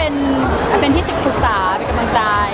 เป็นที่ปรึกษาเป็นกำลังใจ